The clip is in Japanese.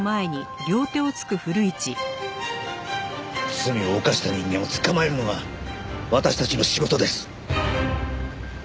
罪を犯した人間を捕まえるのは私たちの仕事です。